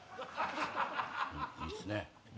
いいですね。